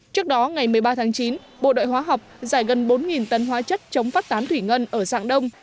trước đó ngày một mươi ba tháng chín bộ đội hóa học giải gần bốn tấn hóa chất chống phát tán thủy ngân ở dạng đông